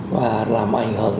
và làm ảnh hưởng